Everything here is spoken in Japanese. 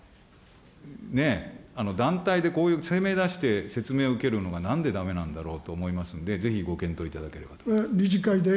ねぇ、団体でこういう声明出して説明を受けるのがなんでだめなんだろうと思いますので、ぜひご検討いただければと。